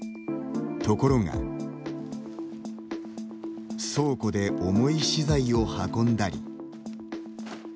ところが倉庫で、重い資材を運んだり。